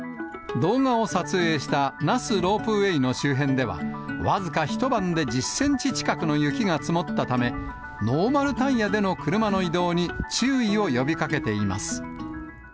動画を撮影した那須ロープウェイの周辺では、僅か一晩で１０センチ近くの雪が積もったため、ノーマルタイヤでの車の移動に注意を呼びかけています。